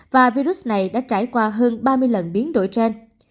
và virus này đã trải qua hơn một năm năm